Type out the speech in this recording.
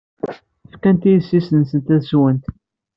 Fkant i yiysan-nsent ad swent.